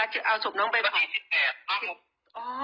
วันที่สิบแปด